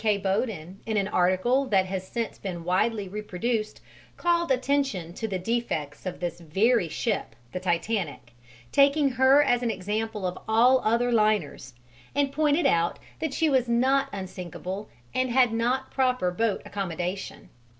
K. Boden, in an article that has since been widely reproduced, called attention to the defects of this very ship, the Titanic taking her as an example of all other liners and pointed out that she was not unsinkable and had not proper boat accommodation.